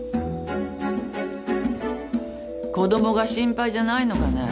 子供が心配じゃないのかね？